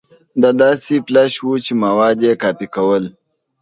دا داسې فلش و چې مواد يې کاپي کول.